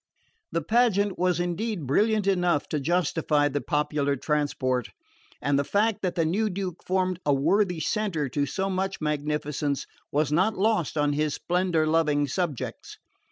The pageant was indeed brilliant enough to justify the popular transport; and the fact that the new Duke formed a worthy centre to so much magnificence was not lost on his splendour loving subjects.